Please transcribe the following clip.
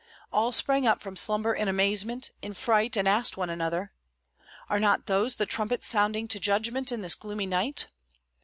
All sprang up from slumber in amazement, in fright, and asked one another, "Are not those the trumpets sounding to judgment in this gloomy night?"